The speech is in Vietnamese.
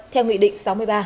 theo nghị định sáu mươi ba